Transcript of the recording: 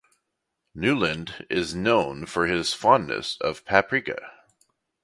Newland is known for his fondness of Paprika.